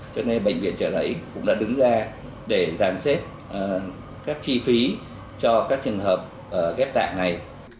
đó là bệnh viện trợ rẫy